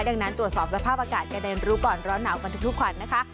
ดังนั้นตรวจสอบสภาพอากาศกันในรู้ก่อนร้อนหนาวกันทุกวันนะคะ